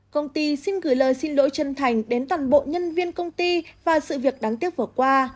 công ty xin gửi lời xin lỗi chân thành đến toàn bộ nhân viên công ty và sự việc đáng tiếc vừa qua